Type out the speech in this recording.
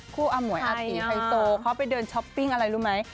อาหมวยอาตีไฮโซเขาไปเดินช้อปปิ้งอะไรรู้ไหม